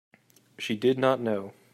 She did not know.